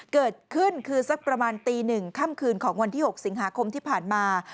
เกิดขึ้นคือสักประมาณตี๑ค่ำคืนของวันที่๖สิงหาคมที่ผ่านมา